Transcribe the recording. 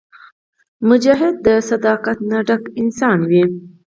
مجاهد د صداقت نه ډک انسان وي.